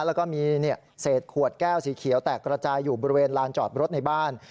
แล้วก็มีเศษขวดแก้วสีเขียวแตกระจายอยู่บริเวณลานจอดรถในบ้าน